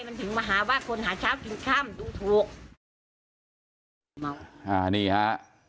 มันถึงมหาว่าคนหาชาวจิงค่ามันดูโถก